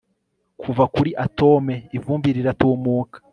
Kuva kuri atome ivumbi riratumaka